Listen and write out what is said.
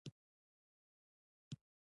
زړونو نېږدې کولو ته ضرورت لرو.